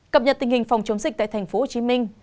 cập nhật tình hình phòng chống dịch tại tp hcm